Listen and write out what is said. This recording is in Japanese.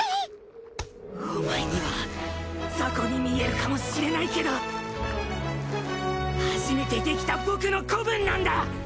お前にはザコに見えるかもしれないけど初めてできた僕の子分なんだ。